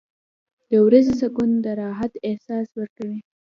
• د ورځې سکون د راحت احساس ورکوي.